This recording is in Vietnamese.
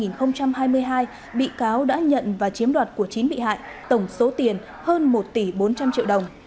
trong tháng một mươi hai năm hai nghìn hai mươi hai bị cáo đã nhận và chiếm đoạt của chín bị hại tổng số tiền hơn một tỷ bốn trăm linh triệu đồng